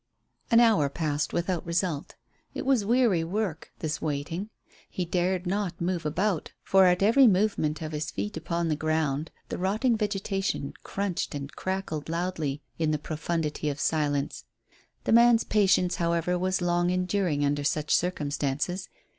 An hour passed without result. It was weary work, this waiting. He dared not move about, for at every movement of his feet upon the ground the rotting vegetation crunched and crackled loudly in the profundity of silence. The man's patience, however, was long enduring under such circumstances.